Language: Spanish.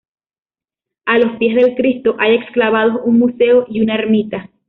A los pies del Cristo hay excavados un museo y una ermita.